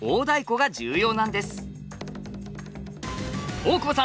大久保さん